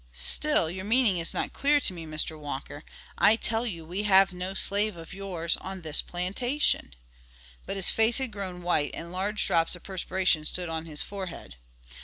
"Still your meaning is not clear to me, Mr. Walker. I tell you we have no slave of yours on this plantation," but his face had grown white, and large drops of perspiration stood on his forehead.